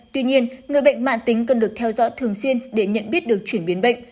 tuy nhiên người bệnh mạng tính cần được theo dõi thường xuyên để nhận biết được chuyển biến bệnh